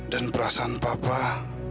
dan perasaan bapak